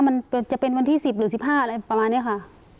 มันจะเป็นวันที่สิบหรือสิบห้าอะไรประมาณเนี้ยค่ะ